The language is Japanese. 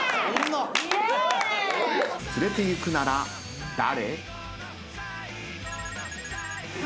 連れていくなら誰？